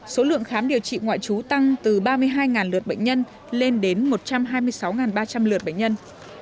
số lượng khám điều trị ngoại trú tăng từ ba mươi hai lượt bệnh nhân lên đến một trăm hai mươi sáu ba trăm linh lượt bệnh nhân